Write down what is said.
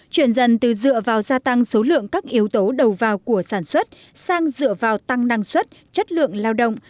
chuyển dần từ dựa vào gia tăng số lượng các yếu tố đầu vào của sản xuất sang dựa vào tăng năng suất chất lượng lao động